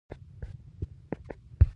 فېسبوک د خلکو د اړیکو یو مجازی نړۍ ده